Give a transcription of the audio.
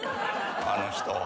あの人。